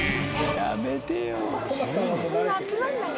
やめてよ。